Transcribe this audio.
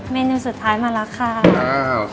เมนูสุดท้ายมาแล้วค่ะ